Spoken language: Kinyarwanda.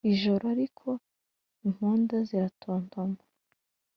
ijoro! ariko imbunda ziratontoma.